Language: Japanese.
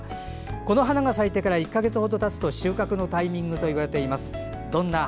この花が咲いてから１か月ほどたつと収穫のタイミングといわれています。